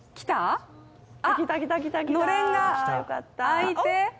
のれんが開いて？